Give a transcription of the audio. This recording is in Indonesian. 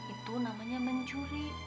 itu namanya mencuri